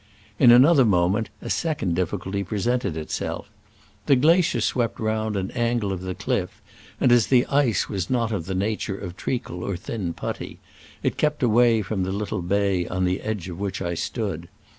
In another moment a second difficulty presented itself. The glacier swept round an angle of the cliff, and as the ice was not of the nature of treacle or thin putty, it kept away from the little bay on the edge of which I stood.